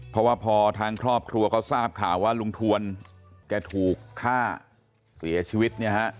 เพราะว่าพอทางครอบครัวเขาทราบข่าวว่าลุงทวนแกถูกฆ่าเสียชีวิตเนี่ยฮะ